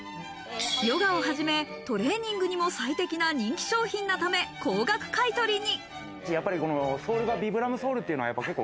ヨガをはじめ、トレーニングにも最適な人気商品なため、高額買取に。